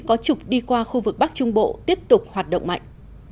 có trục đi qua khu vực bắc trung bộ tiếp tục hoạt động mạnh